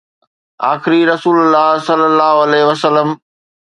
آخري رسول صلي الله عليه وسلم